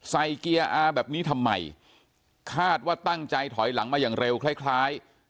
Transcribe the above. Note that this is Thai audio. เกียร์อาแบบนี้ทำไมคาดว่าตั้งใจถอยหลังมาอย่างเร็วคล้ายคล้าย